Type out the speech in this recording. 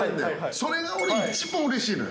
それが俺、一番うれしいのよ。